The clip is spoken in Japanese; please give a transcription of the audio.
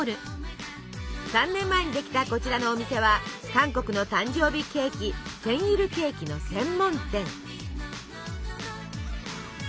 ３年前にできたこちらのお店は韓国の誕生日ケーキセンイルケーキの専門店。